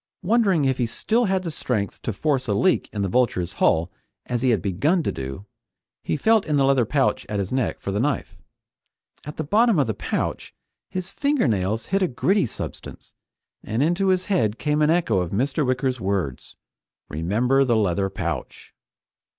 Wondering if he still had the strength to force a leak in the Vulture's hull, as he had begun to do, he felt in the leather pouch at his neck for the knife. At the bottom of the pouch his fingernails hit a gritty substance, and into his head came an echo of Mr. Wicker's words: "Remember the leather pouch!"